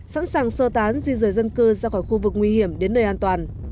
sẵn sàng sơ tán di rời dân cư ra khỏi khu vực nguy hiểm đến nơi an toàn